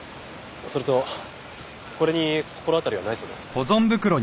それとこれに心当たりはないそうです。